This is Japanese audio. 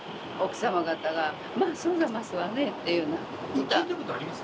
えっ聞いたことあります？